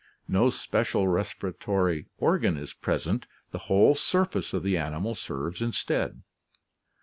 No special respiratory organ is present, the whole sur face of the animal serves instead.